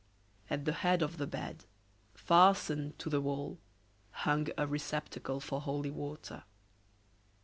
At the head of the bed, fastened to the wall, hung a receptacle for holy water.